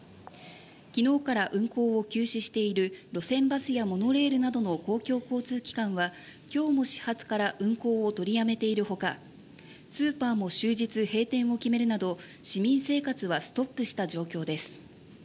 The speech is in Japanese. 昨日から運行を休止している路線バスやモノレールなどの公共交通機関は今日も始発から運行を取りやめているほかスーパーも終日閉店を決めるなど市民生活はストップした状況です。